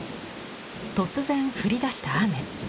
突然降りだした雨。